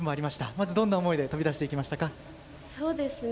まず、どんな思いで飛び出していきましたか？